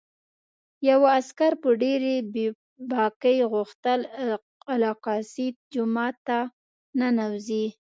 یوه عسکر په ډېرې بې باکۍ غوښتل الاقصی جومات ته ننوځي.